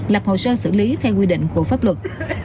lập hồ sơ xử lý theo quy định của pháp luật